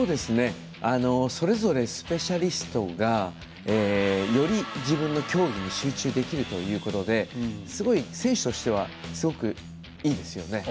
それぞれスペシャリストがより自分の競技に集中できるということですごい選手としてはすごく、いいですよね。